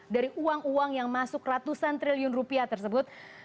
dari uang uang yang masuk ratusan triliun rupiah tersebut